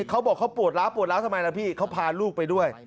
เขาบอกเขาปวดล้าปวดล้าวทำไมล่ะพี่เขาพาลูกไปด้วย